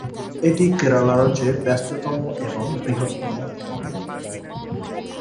এটি কেরালা রাজ্যে ব্যস্ততম এবং বৃহত্তম বিমানবন্দর।